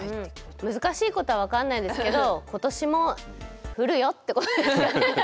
難しいことは分かんないんですけど今年も降るよってことですよね。